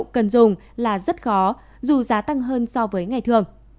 cần dùng là rất khó dù giá tăng hơn so với ngày thường